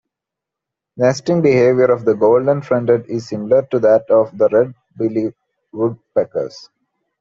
Nesting behavior of the golden-fronted is similar to that of the red-bellied woodpecker.